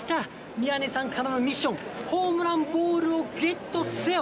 宮根さんからのミッション、ホームランボールをゲットせよ！